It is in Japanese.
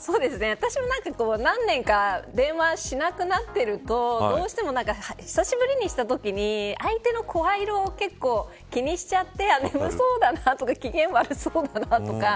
私も、何年か電話しなくなってるとどうしても久しぶりにしたときに相手の声色を結構気にしちゃって眠そうだなとか機嫌悪そうだなとか